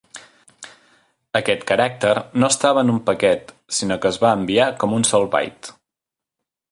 Aquest caràcter no estava en un paquet, sinó que es va enviar com un sol byte.